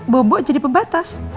bubuk jadi pembatas